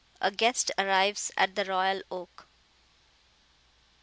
A GUEST ARRIVES AT THE ROYAL OAK.